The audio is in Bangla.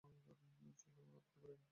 চলো আরো দুবার এমন করা যাক।